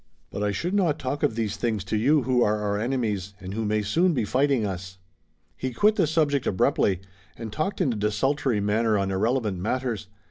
But I should not talk of these things to you who are our enemies, and who may soon be fighting us." He quit the subject abruptly, and talked in a desultory manner on irrelevant matters.